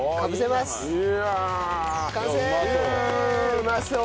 うまそう。